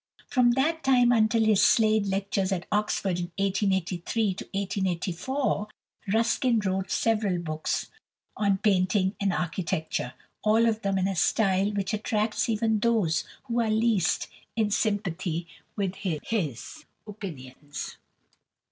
From that time until his Slade lectures at Oxford in 1883 1884 Ruskin wrote several books on painting and architecture, all of them in a style which attracts even those who are least in sympathy with his opinions.